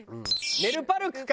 メルパルクか！